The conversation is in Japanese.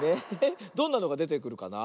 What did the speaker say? どんなのがでてくるかな？